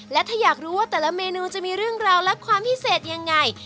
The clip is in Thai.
และถ้าอยากรู้ว่าแต่ละเมนูจะมีเรื่องราวและความพิเศษยังไง